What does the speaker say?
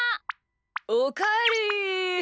おかえり。